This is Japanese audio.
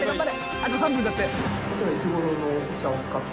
あと３分だって。